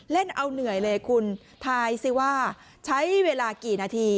เล่นเอาเหนื่อยเลยคุณทายสิว่าใช้เวลากี่นาที